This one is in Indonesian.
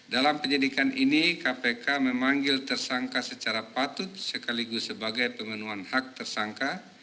dalam penyidikan ini kpk memanggil tersangka secara patut sekaligus sebagai pemenuhan hak tersangka